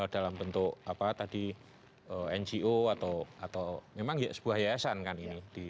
dalam bentuk apa tadi ngo atau memang sebuah yayasan kan ini